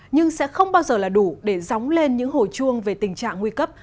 nhưng sẽ không bao giờ là đủ để dóng lên những hồi chuông về tình trạng nguy cấp